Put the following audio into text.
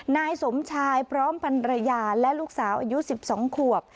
นายสมชายพร้อมพันรยาและลูกสาวอายุ๑๒ขวบ